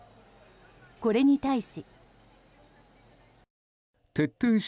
これに対し。